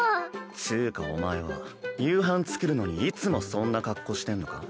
つぅかお前は夕飯作るのにいつもそんな格好してんのか？